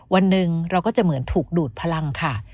วันหนึ่งเราก็จะเหมือนถูกดูดพลังค่ะ